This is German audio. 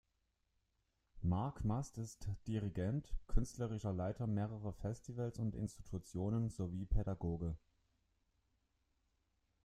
Mark Mast ist Dirigent, künstlerischer Leiter mehrerer Festivals und Institutionen sowie Pädagoge.